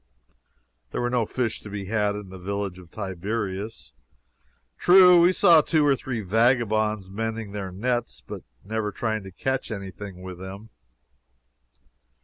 There were no fish to be had in the village of Tiberias. True, we saw two or three vagabonds mending their nets, but never trying to catch any thing with them.